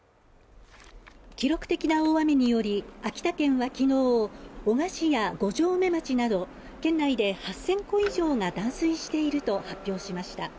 記録的な大雨により、秋田県は昨日男鹿市や五城目町など県内で８，０００戸以上が断水していると発表しました。